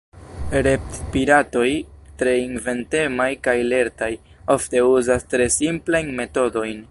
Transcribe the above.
Retpiratoj, tre inventemaj kaj lertaj, ofte uzas tre simplajn metodojn.